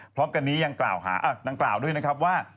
พร้อมกันนี้ยังกล่าวด้วยนะครับว่า